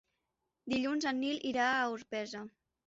Dilluns en Nil irà a Orpesa.